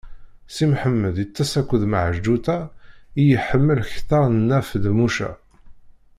Si Mḥemmed iṭṭeṣ akked Meɛǧuṭa i yeḥemmel akteṛ n Nna Feḍmuca.